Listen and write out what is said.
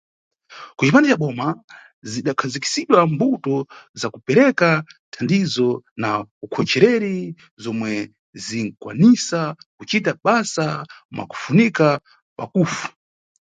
Kucipande ca boma, zidakhazikisidwa mbuto za kupereka thandizo na ukhochereri, zomwe zinʼkwanisa kucita basa mwakufunika pakufu.